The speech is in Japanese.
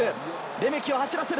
レメキを走らせる！